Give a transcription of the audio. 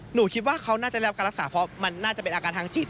หนูคิดว่าเขาน่าจะได้รับการรักษาเพราะมันน่าจะเป็นอาการทางจิต